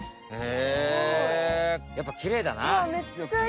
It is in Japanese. やっぱきれいだな！